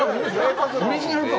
オリジナルか。